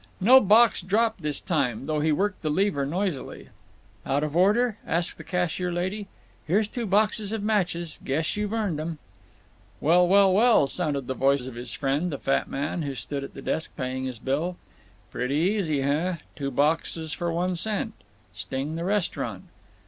No box dropped this time, though he worked the lever noisily. "Out of order?" asked the cashier lady. "Here's two boxes of matches. Guess you've earned them." "Well, well, well, well!" sounded the voice of his friend, the fat man, who stood at the desk paying his bill. "Pretty easy, heh? Two boxes for one cent! Sting the restaurant."